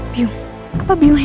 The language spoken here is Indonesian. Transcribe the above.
bium apa bium yang